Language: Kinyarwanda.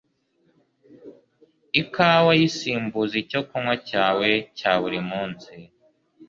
Ikawa yisimbuze icyo kunywa cyawe cya buri munsi